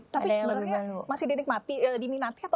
tapi sebenarnya masih dinikmati atau tidak